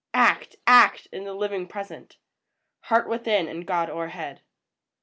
Act, — act in the living Present ! Heart within, and God o'erhead !